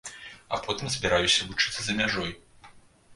А потым збіраюся вучыцца за мяжой.